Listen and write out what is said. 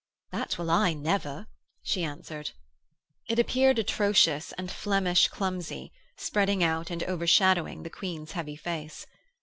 'That will I never,' she answered. It appeared atrocious and Flemish clumsy, spreading out and overshadowing the Queen's heavy face.